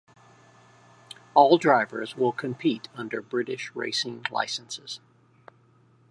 All drivers will compete under British racing licences.